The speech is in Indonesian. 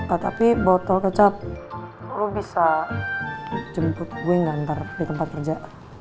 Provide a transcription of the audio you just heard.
ah tapi botol kecap lo bisa jemput gue ga ntar di tempat kerja